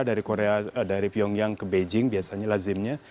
dari pyongyang ke beijing biasanya lazimnya